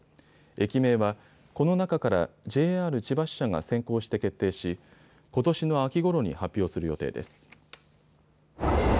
駅名はこの中からＪＲ千葉支社が選考して決定しことしの秋ごろに発表する予定です。